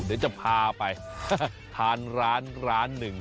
เดี๋ยวจะพาไปทานร้านร้านหนึ่ง